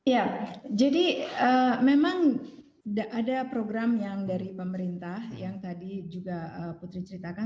ya jadi memang ada program yang dari pemerintah yang tadi juga putri ceritakan